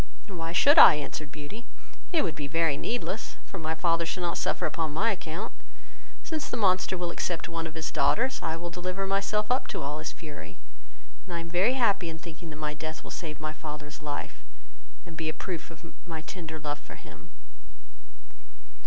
"Why should I, (answered Beauty,) it would be very needless, for my father shall not suffer upon my account, since the monster will accept of one of his daughters, I will deliver myself up to all his fury, and I am very happy in thinking that my death will save my father's life, and be a proof of my tender love for him."